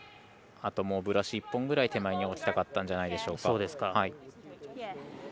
あと、もうブラシ１本分くらい手前に置きたかったんじゃないでしょうか。